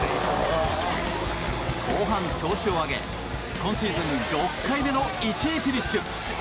後半、調子を上げ今シーズン６回目の１位フィニッシュ。